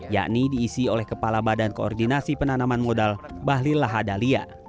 yakni diisi oleh kepala badan koordinasi penanaman modal bahlil lahadalia